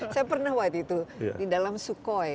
saya pernah waktu itu di dalam sukhoi